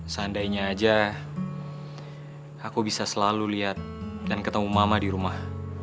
seandainya aja aku bisa selalu lihat dan ketemu mama di rumah